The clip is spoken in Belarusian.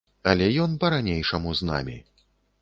Але ён па-ранейшаму з намі.